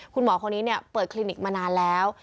คุณหมอคนนี้เปิดคลินิกมานานแล้ว